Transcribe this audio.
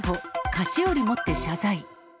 菓子折持って謝罪。